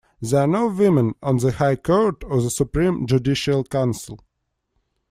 There are no women on the High Court or the Supreme Judicial Council.